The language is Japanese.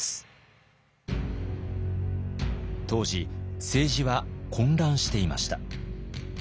当時政治は混乱していました。